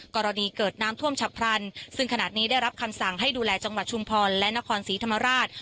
กรณีเกิดน้ำท่วมฉับพลันซึ่งขณะนี้ได้รับคำสั่งให้ดูแลจังหวัดชุมพรและนครศรีธรรมราช